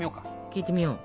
聞いてみよう。